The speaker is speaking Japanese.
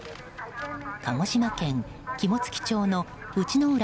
鹿児島県肝付町の内之浦